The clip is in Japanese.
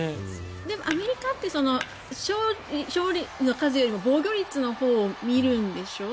アメリカって勝利の数よりも防御率のほうを見るんでしょ？